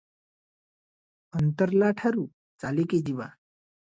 ଅନ୍ତର୍ଲାଠାରୁ ଚାଲିକି ଯିବା ।